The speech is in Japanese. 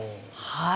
はい。